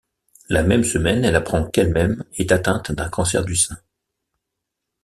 La même semaine, elle apprend qu'elle-même est atteinte d'un cancer du sein.